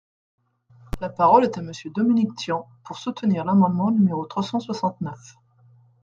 La parole est à Monsieur Dominique Tian, pour soutenir l’amendement numéro trois cent soixante-neuf.